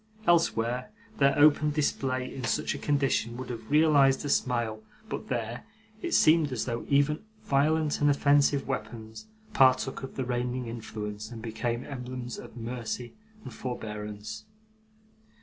Elsewhere, their open display in such a condition would have realised a smile; but, there, it seemed as though even violent and offensive weapons partook of the reigning influence, and became emblems of mercy and forbearance.